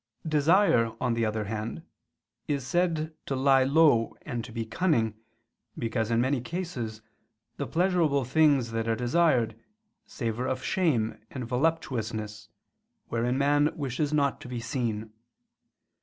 Desire, on the other hand, is said to lie low and to be cunning, because, in many cases, the pleasurable things that are desired, savor of shame and voluptuousness, wherein man wishes not to be seen.